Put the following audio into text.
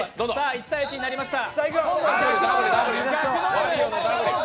１−１になりました。